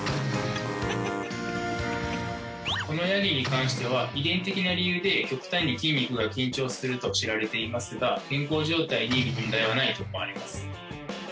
このヤギに関しては遺伝的な理由で極端に筋肉が緊張すると知られていますが健康状態に問題はないと思われます。